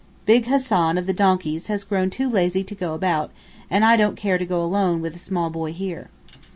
Big Hassan of the donkeys has grown too lazy to go about and I don't care to go alone with a small boy here.